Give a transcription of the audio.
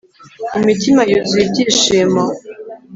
imitima yuzuye ibyishimo